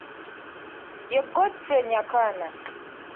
Ye Godfrey Nyakana.